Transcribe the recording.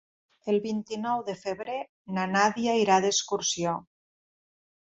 El vint-i-nou de febrer na Nàdia irà d'excursió.